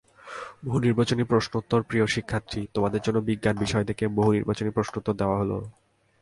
বহুনির্বাচনি প্রশ্নোত্তরপ্রিয় শিক্ষার্থী, তোমাদের জন্য বিজ্ঞান বিষয় থেকে বহুনির্বাচনি প্রশ্নোত্তর দেওয়া হলো।